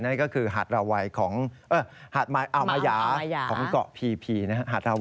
นั่นก็คือหาดราวัยของอ่าวมายาเกาะพีนะฮะ